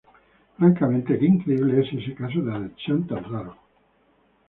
Francamente que increíble es ese caso de adhesión tan raro.